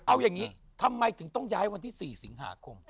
เอาอย่างนี้ทำไมถึงต้องย้ายวันที่๔สิงหาคม